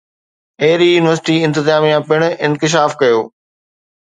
ايري university انتظاميا پڻ انڪشاف ڪيو